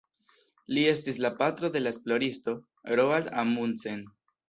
Li estis la patro de la esploristo Roald Amundsen.